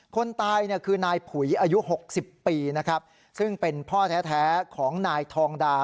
คนตายคือนายผุยอายุ๖๐ปีซึ่งเป็นพ่อแท้ของนายทองดา